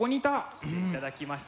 来ていただきました。